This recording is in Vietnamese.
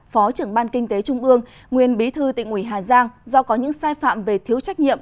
phó trưởng ban kinh tế trung ương nguyên bí thư tỉnh ủy hà giang do có những sai phạm về thiếu trách nhiệm